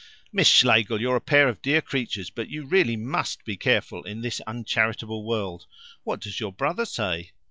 "Miss Schlegel, you're a pair of dear creatures, but you really MUST be careful in this uncharitable world. What does your brother say?"